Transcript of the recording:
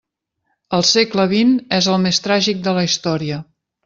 El segle vint és el més tràgic de la història.